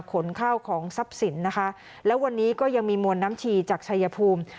ขนข้าวของทรัพย์สินนะคะแล้ววันนี้ก็ยังมีมวลน้ำชีจากชายภูมิ